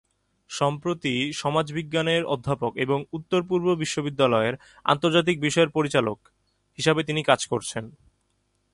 সম্প্রতি সমাজবিজ্ঞানের অধ্যাপক এবং উত্তর-পূর্ব বিশ্ববিদ্যালয়ের আন্তর্জাতিক বিষয়ক পরিচালক হিসাবে তিনি কাজ করছেন।